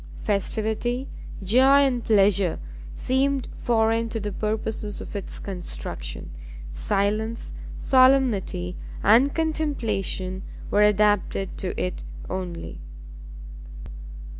Festivity, joy and pleasure, seemed foreign to the purposes of its construction; silence, solemnity and contemplation were adapted to it only.